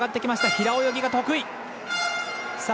平泳ぎが得意。